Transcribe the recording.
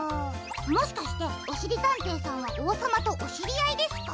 もしかしておしりたんていさんはおうさまとおしりあいですか？